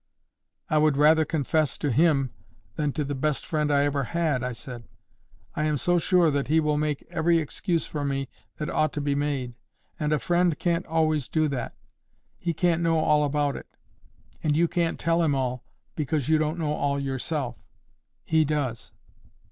"I would rather confess to Him than to the best friend I ever had," I said; "I am so sure that He will make every excuse for me that ought to be made. And a friend can't always do that. He can't know all about it. And you can't tell him all, because you don't know all yourself. He does."